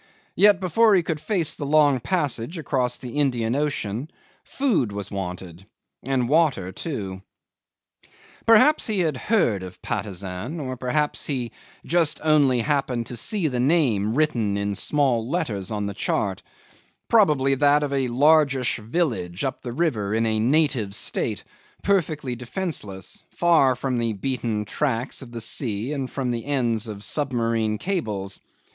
Yet before he could face the long passage across the Indian Ocean food was wanted water too. 'Perhaps he had heard of Patusan or perhaps he just only happened to see the name written in small letters on the chart probably that of a largish village up a river in a native state, perfectly defenceless, far from the beaten tracks of the sea and from the ends of submarine cables.